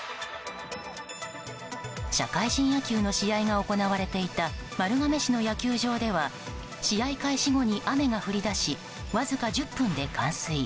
社会人野球の試合が行われていた丸亀市の野球場では試合開始後に雨が降り出しわずか１０分で冠水。